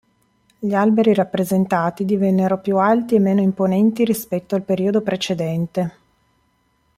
Gli alberi rappresentati divennero più alti e meno imponenti rispetto al periodo precedente.